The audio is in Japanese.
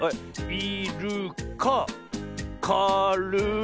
い・る・かか・る・い。